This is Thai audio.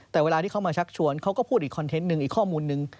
แต่เวลาที่เขามาชักชวนเขาก็พูดอีกคอนเทนต์หนึ่งอีกข้อมูลนึง